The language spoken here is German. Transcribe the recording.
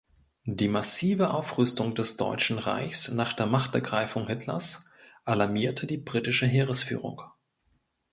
Die massive Aufrüstung des Deutschen Reichs nach der Machtergreifung Hitlers alarmierte die britische Heeresführung.